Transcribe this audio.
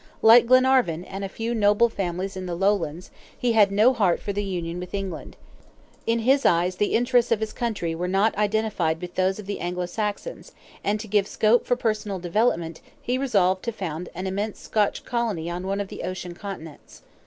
Like Glenarvan, and a few noble families in the Lowlands, he had no heart for the union with England. In his eyes the interests of his country were not identified with those of the Anglo Saxons, and to give scope for personal development, he resolved to found an immense Scotch colony on one of the ocean continents.